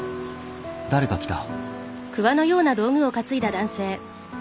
誰か来た。